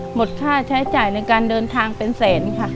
หมดค่าใช้จ่ายในการเดินทางเป็นแสนค่ะ